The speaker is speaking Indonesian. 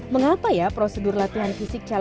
mengapa ya prosedur latihan fisik ini tidak berhasil